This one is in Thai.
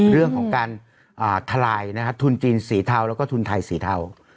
เรื่องของการทลายทุนจีนสีเทาแล้วก็ทุนไทยสีเทา